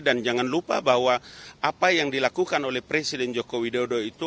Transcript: dan jangan lupa bahwa apa yang dilakukan oleh presiden joko widodo itu